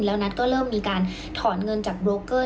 แล้วนัทก็เริ่มมีการถอนเงินจากโบรกเกอร์